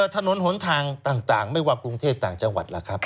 ถนนหนทางต่างไม่ว่ากรุงเทพต่างจังหวัดล่ะครับ